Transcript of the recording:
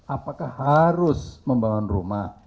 apakah harus membangun rumah